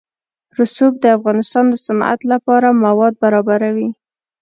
رسوب د افغانستان د صنعت لپاره مواد برابروي.